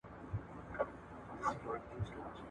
چي پر مځکه به را ولوېږې له پاسه ..